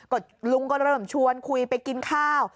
ก็ลุงก็เริ่มชวนคุยไปกินข้าว